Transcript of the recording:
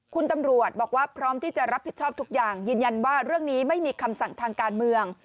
คุณตำรวจบอกว่าพร้อมที่จะรับผิดชอบทุกอย่างยืนยันว่าเรื่องนี้ไม่มีคำสั่งทางการเมือง